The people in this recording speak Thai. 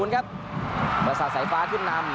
๑๐ครับบริษัทสายฟ้าขึ้นนำ